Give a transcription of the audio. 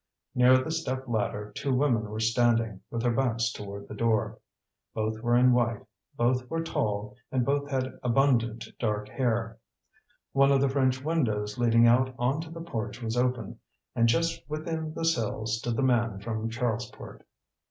Near the step ladder two women were standing, with their backs toward the door. Both were in white, both were tall, and both had abundant dark hair. One of the French windows leading out on to the porch was open, and just within the sill stood the man from Charlesport.